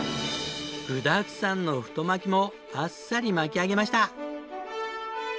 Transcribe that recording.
具だくさんの太巻きもあっさり巻き上げました。